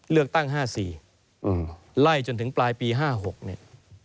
เลือกตั้ง๕๔ไล่จนถึงปลายปี๕๖เนี่ย